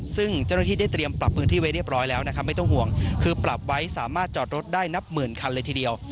ซึ่งเจ้าหน้าที่ได้เตรียมปรับพื้นที่ไว้เรียบร้อยแล้วนะครับไม่ต้องห่วงคือปรับไว้สามารถจอดรถได้นับหมื่นคันเลยทีเดียว